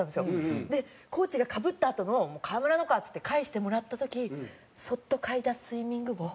コーチがかぶったあとの「川村のか」っつって返してもらった時そっと嗅いだスイミング帽。